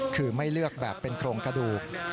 คือไม่เลือกแบบเป็นโครงกระดูก